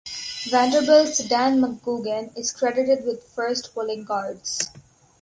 Vanderbilt's Dan McGugin is credited with first pulling guards.